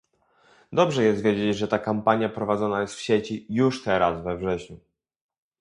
Dobrze jest wiedzieć, że ta kampania prowadzona jest w sieci już teraz we wrześniu